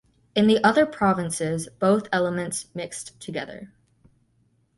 In the other provinces both elements mixed together.